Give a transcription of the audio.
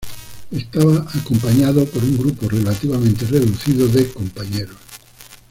Estaba acompañado por un grupo relativamente reducido de compañeros.